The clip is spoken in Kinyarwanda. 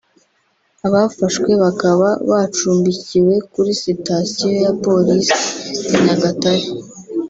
abafashwe bakaba bacumbikiwe kuri sitasiyo ya Polisi ya Nyagatare